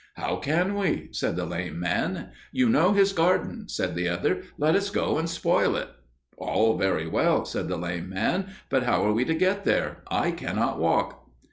"How can we?" said the lame man. "You know his garden," said the other; "let us go and spoil it!" "All very well," said the lame man, "but how are we to get there? I cannot walk."